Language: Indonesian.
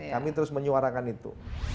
kami terus menyuarakan itu